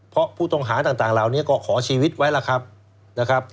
เพราะผู้ต้องหาต่างเหล่านี้ก็ขอชีวิตไว้ล่ะครับนะครับ